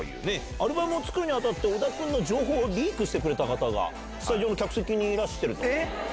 アルバムを作るにあたって、小田君の情報をリークしてくれた方が、スタジオの客席にいらしてると。